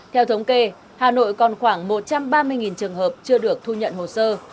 theo thống kê hà nội còn khoảng một trăm ba mươi trường hợp chưa được thu nhận hồ sơ